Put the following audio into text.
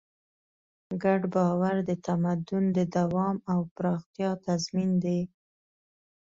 ګډ باور د تمدن د دوام او پراختیا تضمین دی.